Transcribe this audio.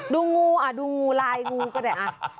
ดูงูอ่ะดูงูลายงูก็ได้